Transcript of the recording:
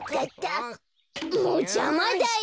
もうじゃまだよ！